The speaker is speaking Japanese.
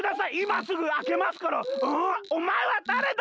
おまえはだれだ？